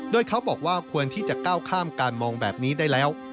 โดยเขาบอกว่าควรที่จะก้าวข้ามการมองแบบนี้ได้แล้ว